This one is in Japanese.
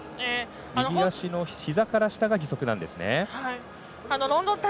右足のひざから下が義足なんですね。